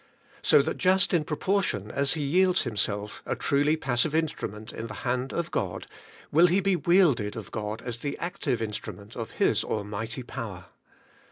So that just in proportion as he yields him self a truly passive instrument in the hand of God, will he be wielded of God as the active instrument of His almighty power.